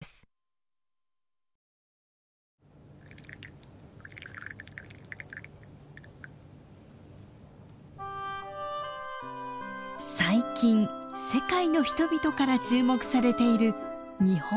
最近世界の人々から注目されている日本酒。